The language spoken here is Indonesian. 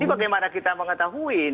ini bagaimana kita mengetahui